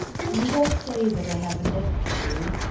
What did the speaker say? Need I say that I have a nephew?